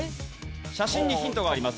写真にヒントがあります。